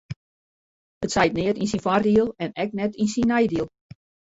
It seit neat yn syn foardiel en ek net yn syn neidiel.